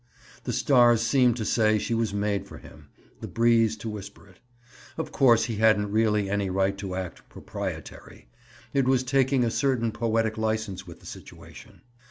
The stars seemed to say she was made for him, the breeze to whisper it. Of course, he hadn't really any right to act "proprietary"; it was taking a certain poetic license with the situation.